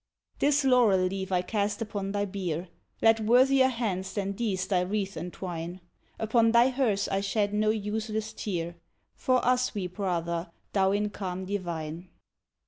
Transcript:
This laurel leaf I cast upon thy bier; Let worthier hands than these thy wreath entwine; Upon thy hearse I shed no useless tear, For us weep rather thou in calm divine.